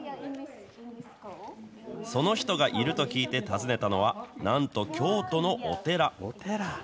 その人がいると聞いて訪ねたのは、なんと京都のお寺。